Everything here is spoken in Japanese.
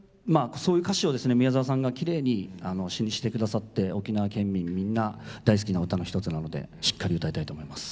そういう歌詞をですね宮沢さんがきれいに詞にして下さって沖縄県民みんな大好きな歌の一つなのでしっかり歌いたいと思います。